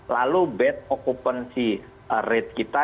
lalu bad occupancy rate kita